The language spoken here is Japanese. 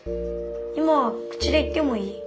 今口で言ってもいい？